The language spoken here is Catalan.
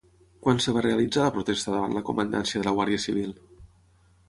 Quan es va realitzar la protesta davant la comandància de la Guàrdia Civil?